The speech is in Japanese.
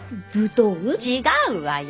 違うわよ！